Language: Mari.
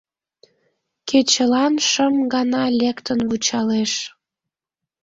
Кечылан шым гана лектын вучалеш.